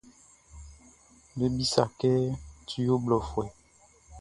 Be bisât kɛ tu ɔ ho blɔfuɛ.